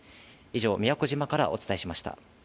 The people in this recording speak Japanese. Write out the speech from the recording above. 以上、宮古島からお伝えしました。